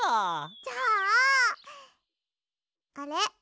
じゃああれ？